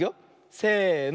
せの。